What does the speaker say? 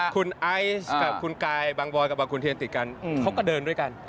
คุณไอซ์กับคุณกายบางบอยกับบางขุนเทียนติดกันเขาก็เดินด้วยกัน